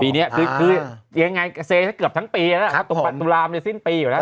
ปีนี้คือยังไงเสกเกือบทั้งปีแล้วตุลามันยังสิ้นปีอยู่แล้ว